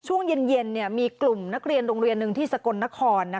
ช่วงเย็นมีกลุ่มนักเรียนโรงเรียนหนึ่งที่สกลนคร